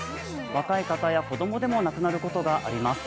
若い方や子供でも亡くなることがあります。